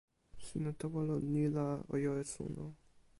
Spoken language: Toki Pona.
sina tawa lon ni la, o jo e suno.